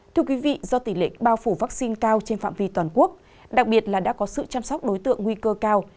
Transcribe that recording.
thưa quý vị do tỷ lệ bao phủ vaccine cao trên phạm vi toàn quốc đặc biệt là đã có sự chăm sóc đối tượng nguy cơ cao